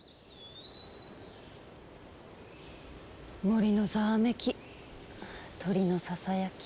森のざわめき鳥のささやき。